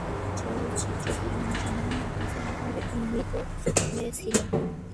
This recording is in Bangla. চলচ্চিত্রটি জনসাধারণের কাছে হালকাভাবে গৃহীত হয়েছিল।